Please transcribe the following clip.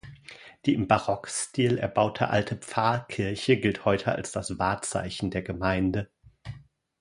Die im Barockstil erbaute alte Pfarrkirche gilt heute als das Wahrzeichen der Gemeinde.